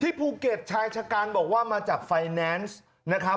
ภูเก็ตชายชะกันบอกว่ามาจากไฟแนนซ์นะครับ